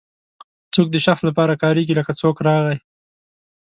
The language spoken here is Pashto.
څوک د شخص لپاره کاریږي لکه څوک راغی.